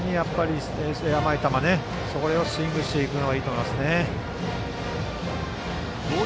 早めに甘い球をスイングしていくのがいいと思いますね。